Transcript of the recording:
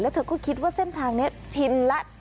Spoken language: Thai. เธอก็คิดว่าเส้นทางนี้ชินแล้ว